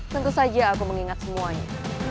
tentu saja aku mengingat semuanya